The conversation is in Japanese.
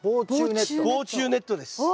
防虫ネットです。